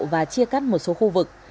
và chia cắt một số khu vực